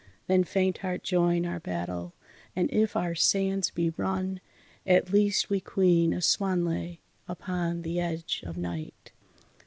Then faint heart join our battle! and if our sands be run, At least we caoin a swan lay upon the edge of night.